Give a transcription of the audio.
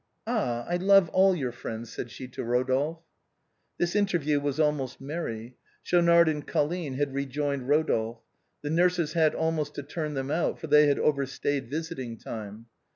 Ah! I love all your friends," said she to Eodolphe. This interview was almost merry. Schaunard and Col line had rejoined Eodolphe. The nurses had almost to turn them out, for they had overstayed visiting time.